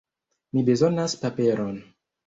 Mi bezonas paperon